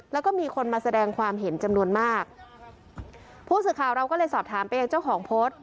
แล้วก็มีคนมาแสดงความเห็นจำนวนมากผู้สื่อข่าวเราก็เลยสอบถามไปยังเจ้าของโพสต์